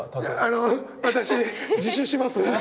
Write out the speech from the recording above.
あの私自首します。